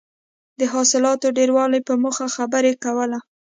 د حاصلاتو د ډېروالي په موخه خبره کوله.